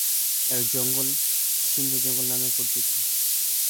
এরা জঙ্গল, সিন্ধু জঙ্গল নামেও পরিচিত।